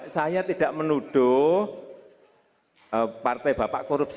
saya tidak menuduh partai bapak korupsi